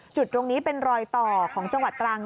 จุดตรงนี้เป็นรอยต่อของจังหวัดตรัง